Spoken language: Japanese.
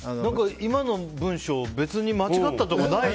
今の文章別に間違ったところない。